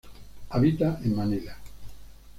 Habita en Manila.